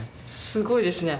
すごいですね。